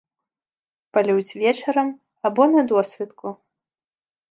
Палююць вечарам або на досвітку.